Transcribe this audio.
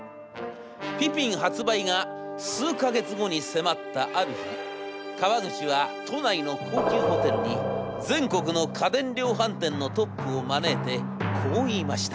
ピピン発売が数か月後に迫ったある日川口は都内の高級ホテルに全国の家電量販店のトップを招いてこう言いました。